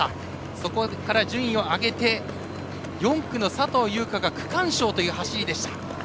そこから順位を上げて４区の佐藤悠花が区間賞という走りでした。